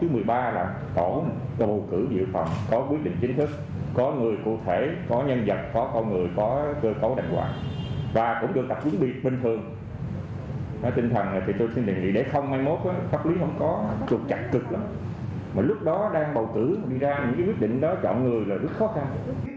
mà lúc đó đang bầu cử đi ra những quyết định đó chọn người là rất khó khăn